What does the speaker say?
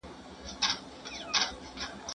زموږ د کلي په مابین کي را معلوم دی کور د پېغلي